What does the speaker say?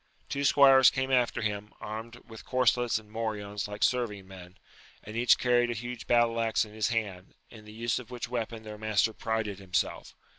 Two squires came after him, armed with corselets and morions like serving men, and each carried a huge battle axe igi his hand, in the use of which weapon their master prided himself.